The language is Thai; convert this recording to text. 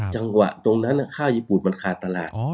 จังหวะตรงนั้นข้าวญี่ปุ่นมันขาดตลาด